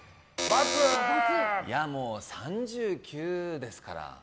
もう３９ですから。